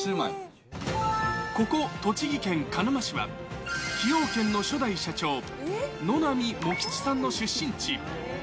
ここ、栃木県鹿沼市は、崎陽軒の初代社長、野並茂吉さんの出身地。